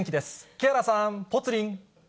木原さん、ぽつリン。